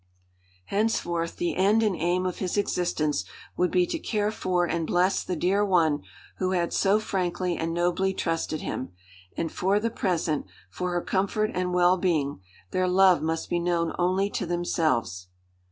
Henceforth the end and aim of his existence would be to care for and bless the dear one who had so frankly and nobly trusted him; and for the present, for her comfort and well being, their love must be known only to themselves.